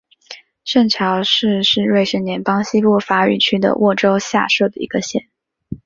圣乔治是瑞士联邦西部法语区的沃州下设的一个镇。